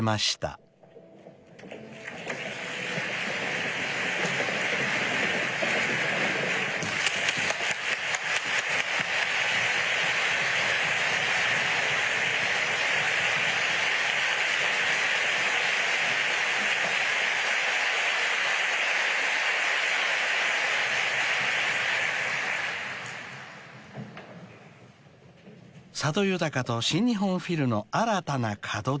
［佐渡裕と新日本フィルの新たな門出です］